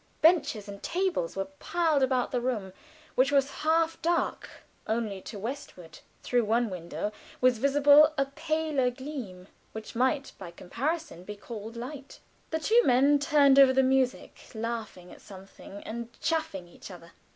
Benches and tables were piled about the room, which was half dark; only to westward, through one window, was visible a paler gleam, which might by comparison be called light. The two young men turned over the music, laughing at something, and chaffing each other.